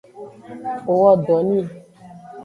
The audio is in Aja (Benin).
O wo do ni.